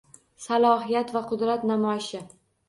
Salohiyat va qudrat namoyishi